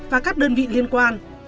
và các đơn vị liên quan